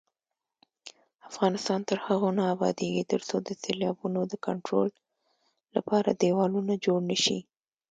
افغانستان تر هغو نه ابادیږي، ترڅو د سیلابونو د کنټرول لپاره دېوالونه جوړ نشي.